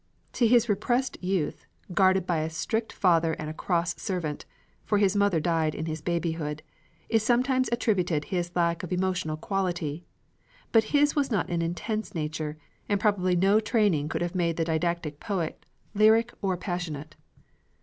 To his repressed youth, guarded by a strict father and a cross servant, for his mother died in his babyhood, is sometimes attributed his lack of emotional quality. But his was not an intense nature, and probably no training could have made the didactic poet lyric or passionate.